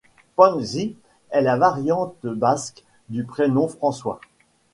Pantxi est la variante basque du prénom François.